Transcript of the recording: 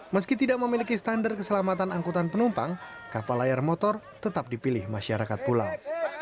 meski tidak memiliki standar keselamatan angkutan penumpang kapal layar motor tetap dipilih masyarakat pulau